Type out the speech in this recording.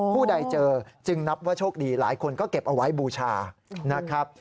ผู้ใดเจอจึงนับว่าโชคดีหลายคนก็เก็บเอาไว้บูชานะครับ